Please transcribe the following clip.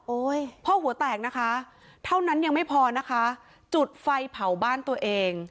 พ่อหัวแตกนะคะเท่านั้นยังไม่พอนะคะจุดไฟเผาบ้านตัวเอง